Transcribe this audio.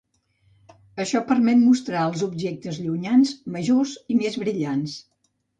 Això permet mostrar els objectes llunyans majors i més brillants.